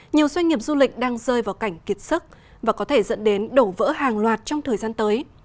nhiều doanh nghiệp du lịch đang rơi vào cảnh kiệt sức và có thể dẫn đến đổ vỡ hàng loạt trong thời gian tới